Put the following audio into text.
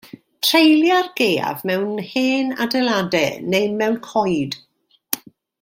Treulia'r gaeaf mewn hen adeiladau neu mewn coed.